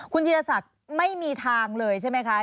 อ๋อคุณธิรษัทไม่มีทางเลยใช่ไหมคะ